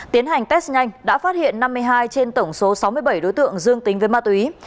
tiến hành test nhanh đã phát hiện năm mươi hai trên tổng số sáu mươi bảy đối tượng dương tính với ma túy